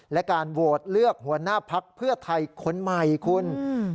และการโหวตเลือกหัวหน้าพักเพื่อไทยคนใหม่คุณอืม